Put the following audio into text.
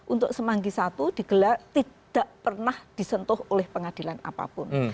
untuk semanggi i digelar tidak pernah disentuh oleh pengadilan apapun